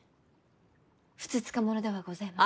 ふつつか者ではございますが。